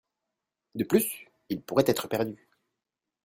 De plus, ils pourraient être perdus.